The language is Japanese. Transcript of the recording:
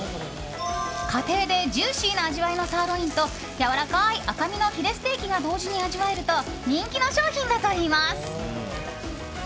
家庭でジューシーな味わいのサーロインとやわらかい赤身のヒレステーキが同時に味わえると人気の商品だといいます。